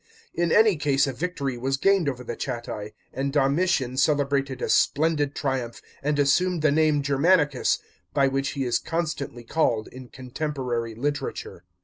In any case a victory was gained over the Chatti, and Domitian celebrated a splendid triumph, and assumed the name Germanicus, by which he is constantly called in contemporary literature.